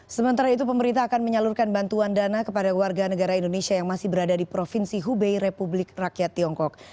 sementara itu pemerintah akan menyalurkan bantuan dana kepada warga negara indonesia yang masih berada di provinsi hubei republik rakyat tiongkok